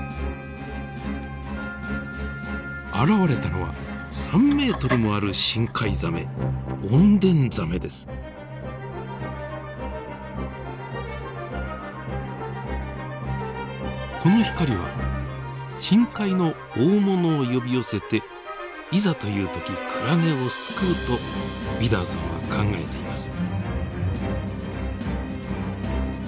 現れたのは３メートルもある深海ザメこの光は深海の大物を呼び寄せていざという時クラゲを救うとウィダーさんは考えています。